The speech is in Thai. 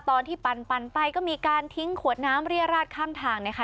ตอนที่ปั่นไปก็มีการทิ้งขวดน้ำเรียราชข้างทางนะคะ